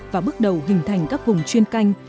và bước đầu hình thành các vùng chuyên canh